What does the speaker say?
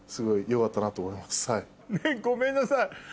ごめんなさい！